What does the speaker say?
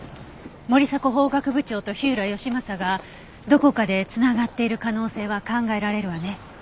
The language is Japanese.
森迫法学部長と火浦義正がどこかで繋がっている可能性は考えられるわね。